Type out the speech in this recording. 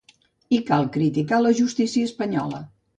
I cal criticar la justícia espanyola.